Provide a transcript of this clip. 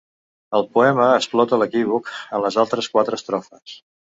El poema explota l'equívoc en les altres quatre estrofes.